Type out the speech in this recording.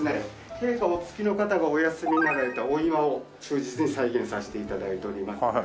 警護お付きの方がお休みになられた御居間を忠実に再現させて頂いております。